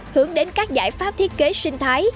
hướng đến các giải pháp thiết kế sinh thái